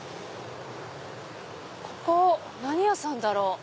ここ何屋さんだろう？